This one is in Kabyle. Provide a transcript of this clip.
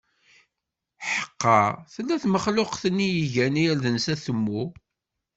Ḥeqqa tella tmexluqt-nni igan s yirden atemmu.